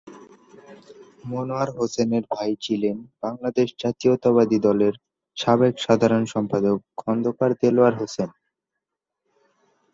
মনোয়ার হোসেনের ভাই ছিলেন বাংলাদেশ জাতীয়তাবাদী দলের সাবেক সাধারণ সম্পাদক খন্দকার দেলোয়ার হোসেন।